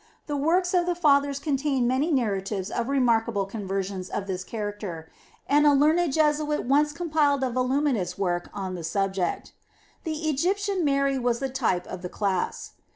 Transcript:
The works of the fathers contain many narratives of remarkable conversions of this character, and a learned Jesuit once compiled a voluminous work on the subject. The Egyptian Mary was the type of the class.